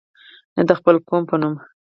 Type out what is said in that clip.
نه د خپل قوم په نوم.